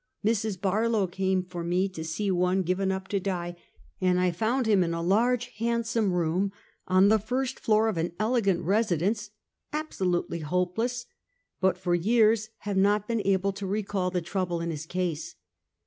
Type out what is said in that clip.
Mrs. Barlow came for me to see one given up to die, and I found him in a large handsome room, on the first floor of an elegant resi dence, absolutely hopeless, but for years have not been able to recall the trouble in his case.